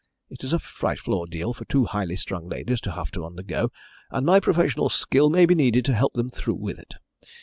It is a frightful ordeal for two highly strung ladies to have to undergo, and my professional skill may be needed to help them through with it.